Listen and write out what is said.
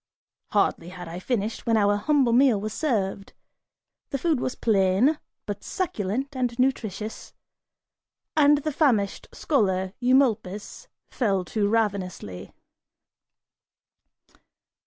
(Hardly had I finished, when our humble meal was served. The food was plain but succulent and nutritious, and the famished scholar Eumolpus, fell to ravenously.)